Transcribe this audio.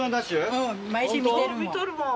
うん毎週見てるもん。